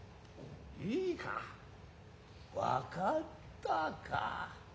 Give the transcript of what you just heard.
いいか分かったか。